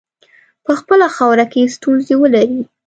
په خپله خاوره کې ستونزي ولري.